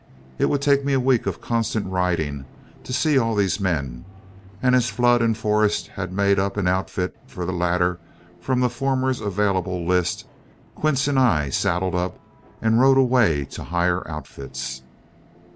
It would take me a week of constant riding to see all these men, and as Flood and Forrest had made up an outfit for the latter from the former's available list, Quince and I saddled up and rode away to hire outfits.